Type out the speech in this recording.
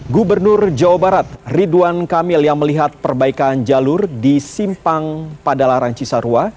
gubernur jawa barat ridwan kamil yang melihat perbaikan jalur disimpang padalarang cisarua